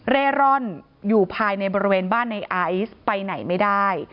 เร่ร่อนอยู่ภายในบริเวณบ้านในไอซ์ไปไหนไม่ได้